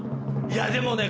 いやでもね。